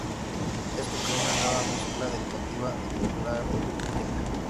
Esto creó una nueva mezcla educativa y cultural única.